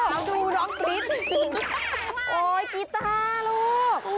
แล้วดูน้องกรี๊ดโอ๊ยกีต้าลูก